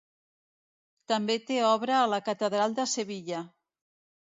També té obra a la catedral de Sevilla.